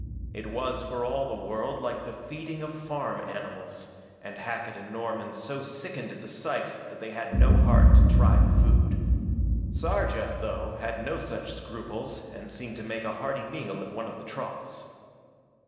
It was for all the world like the feeding of farm animals, and Hackett and Norman so sickened at the sight that they had no heart to try the food. Sarja, though, had no such scruples and seemed to make a hearty meal at one of the troughs.